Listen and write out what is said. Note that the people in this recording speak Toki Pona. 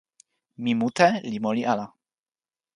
mi mute li moli ala.